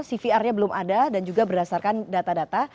cvr nya belum ada dan juga berdasarkan data data